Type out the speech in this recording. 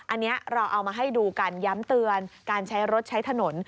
อันนี้เราเอามาให้ดูกันย้ำเตือนการใช้รถใช้ถนน